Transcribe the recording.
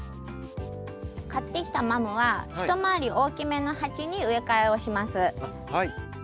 買ってきたマムはひと回り大きめの鉢に植え替えをします。